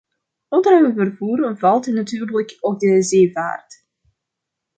Onder vervoer valt natuurlijk ook de zeevaart.